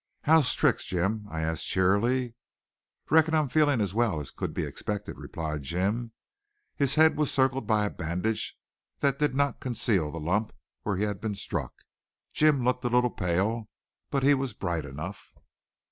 "How's tricks, Jim?" I asked cheerily. "Reckon I'm feelin' as well as could be expected," replied Jim. His head was circled by a bandage that did not conceal the lump where he had been struck. Jim looked a little pale, but he was bright enough.